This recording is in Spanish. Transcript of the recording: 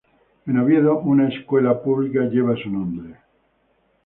En Oviedo, una escuela pública lleva su nombre.